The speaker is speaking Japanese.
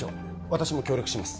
私も協力します